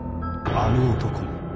あの男に。